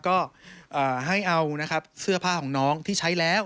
ก็ให้เอานะครับเสื้อผ้าของน้องที่ใช้แล้ว